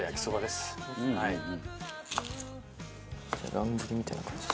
乱切りみたいな感じに。